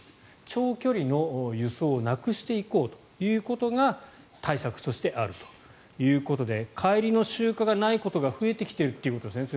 長距離の輸送をなくしていこうということが対策としてあるということで帰りの集荷がないことが増えてきているということですね